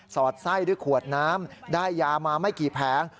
อดไส้ด้วยขวดน้ำได้ยามาไม่กี่แผง